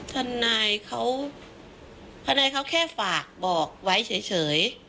ทนายเขาแค่ฝากบอกไว้เฉย